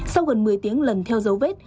sau gần một mươi tiếng lần theo dấu vết